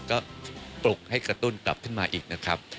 ก็ปลุกให้กระตุ้นกลับขึ้นมาอีกนะครับ